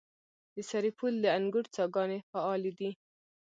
د سرپل د انګوت څاګانې فعالې دي؟